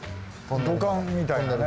土管みたいなね。